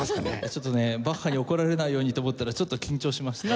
ちょっとねバッハに怒られないようにと思ったらちょっと緊張しまして。